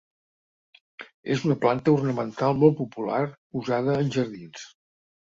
És una planta ornamental molt popular usada en jardins.